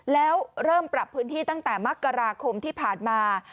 แล้วเริ่มปรับพื้นที่ตั้งแต่มกราคมที่ผ่านมา